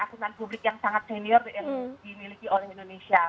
akutan publik yang sangat senior yang dimiliki oleh indonesia